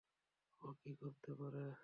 ও কী করতে পারে?